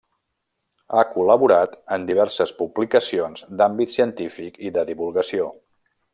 Ha col·laborat en diverses publicacions d'àmbit científic i de divulgació.